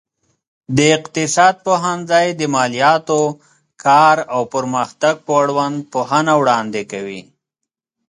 د اقتصاد پوهنځی د مالياتو، کار او پرمختګ په اړوند پوهنه وړاندې کوي.